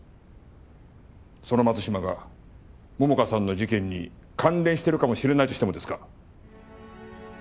その松島が桃花さんの事件に関連してるかもしれないとしてもですか？